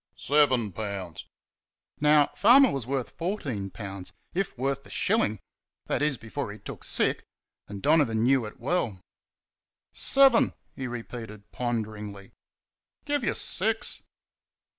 "Seven pounds." Now, Farmer was worth fourteen pounds, if worth a shilling that is, before he took sick and Donovan knew it well. "Seven," he repeated ponderingly. "Give you six."